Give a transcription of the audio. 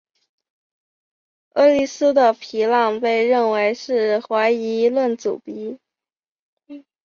厄利斯的皮浪被认为是怀疑论鼻祖。